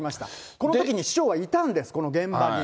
このときに市長はいたんです、この現場に。